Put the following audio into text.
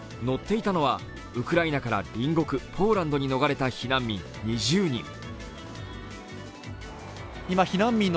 乗っていたのはウクライナから隣国ポーランドに逃れた避難民２０人。